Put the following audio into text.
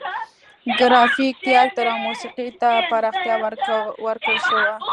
ګرافیک، تیاتر او موسیقي ته پراختیا ورکړل شوه.